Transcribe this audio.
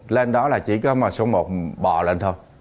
lên đó là chỉ có số một bò lên thôi